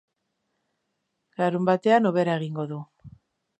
Larunbatean hobera egingo du.